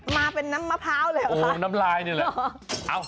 มาเป็นน้ำมะพร้าวเลยเหรอคะโอ้น้ำลายนี่แหละอ๋อ